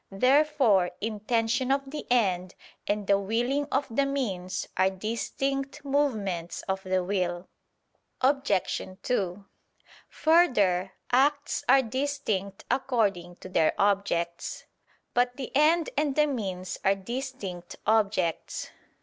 Therefore intention of the end and the willing of the means are distinct movements of the will. Obj. 2: Further, acts are distinct according to their objects. But the end and the means are distinct objects.